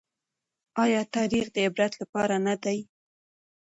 ايا تاريخ د عبرت لپاره نه دی؟